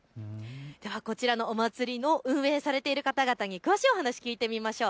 ではこちらのお祭りの運営をされている方々に詳しいお話を聞いてみましょう。